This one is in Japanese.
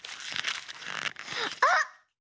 あっ！